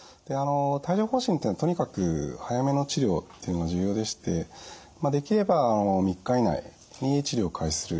帯状ほう疹っていうのはとにかく早めの治療っていうのが重要でしてできれば３日以内に治療を開始するのがいいと思います。